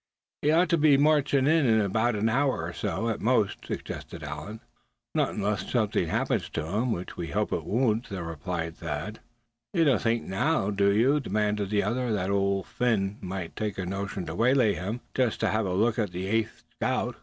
"He oughtn't to be more'n an hour, at the most," suggested Allan. "Not unless something happens to him, which we hope it won't," replied Thad. "You don't think now, do you," demanded the other, "that Old Phin might take a notion to waylay him, just to have a look at the eighth scout?"